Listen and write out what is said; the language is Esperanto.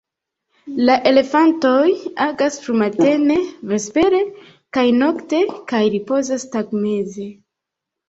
La elefantoj agas frumatene, vespere kaj nokte kaj ripozas tagmeze.